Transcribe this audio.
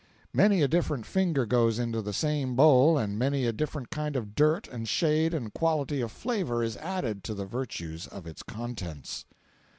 Many a different finger goes into the same bowl and many a different kind of dirt and shade and quality of flavor is added to the virtues of its contents.